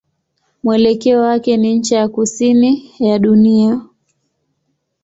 Mwelekeo wake ni ncha ya kusini ya dunia.